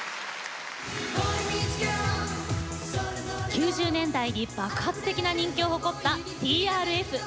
９０年代に爆発的な人気を誇ったＴＲＦ。